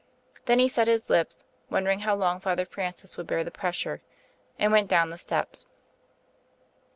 Then he set his lips, wondering how long Father Francis would bear the pressure, and went down the steps.